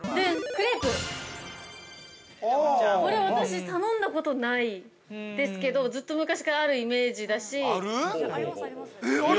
これ私、頼んだことないですけどずっと昔からあるイメージだし。